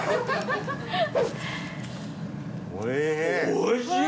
おいしい！